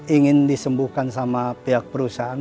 ingin disembuhkan sama pihak perusahaan